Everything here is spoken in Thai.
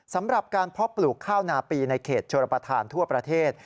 สำหรับการเพาะปลูกข้าวนาปีในเขตชนประธานทั่วประเทศ